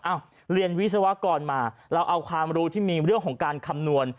เรียนวิศวกรมาเราเอาความรู้ที่มีเรื่องของการคำนวณ